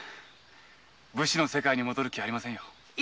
武士の世界に戻る気はありませんよ。